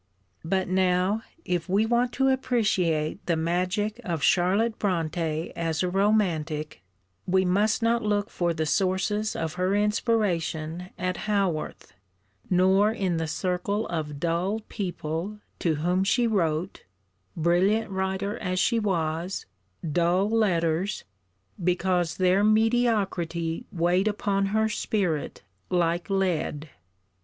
But now if we want to appreciate the 'magic' of Charlotte Brontë as a Romantic we must not look for the sources of her inspiration at Haworth; nor in the circle of dull people, to whom she wrote, brilliant writer as she was, dull letters, because their mediocrity weighed upon her spirit like lead.